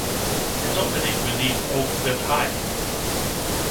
Its opening relieved Oak Cliff High.